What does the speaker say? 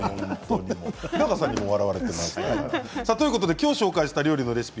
今日紹介した料理のレシピ